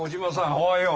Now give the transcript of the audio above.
おはよう。